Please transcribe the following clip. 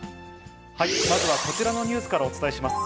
まずはこちらのニュースからお伝えします。